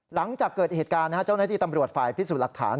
หลังจากเกิดเหตุการณ์เจ้าหน้าที่ตำรวจฝ่ายพิสูจน์หลักฐาน